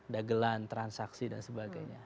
dagelan transaksi dan sebagainya